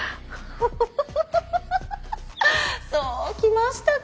そうきましたか。